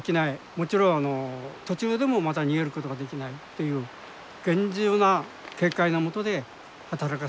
もちろん途中でもまた逃げることができないという厳重な警戒の下で働かされておりました。